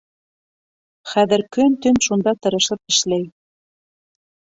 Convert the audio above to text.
Хәҙер көн-төн шунда тырышып эшләй.